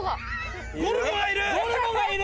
ゴルゴがいる！